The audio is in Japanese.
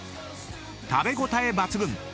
［食べ応え抜群］